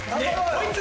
こいつ。